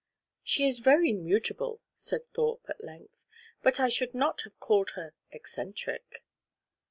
"She is very mutable," said Thorpe, at length; "but I should not have called her eccentric."